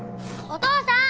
お父さん！